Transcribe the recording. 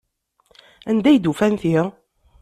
Anda ay d-ufan ti?